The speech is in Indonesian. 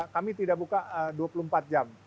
kami tidak buka dua puluh empat jam